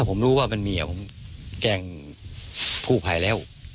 ผมรู้ว่ามันมีความใช้ผู้ผ่ายแล้ว